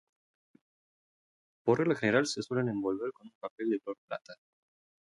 Por regla general, se suelen envolver con un papel de color plata.